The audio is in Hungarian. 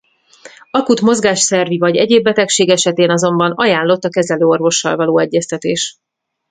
Akut mozgásszervi vagy egyéb betegség esetén azonban ajánlott a kezelőorvossal való egyeztetés.